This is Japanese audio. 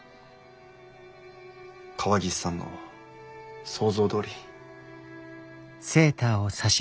川岸さんの想像どおり。